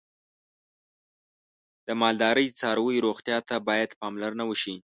د مالدارۍ څاروی روغتیا ته باید پاملرنه وشي.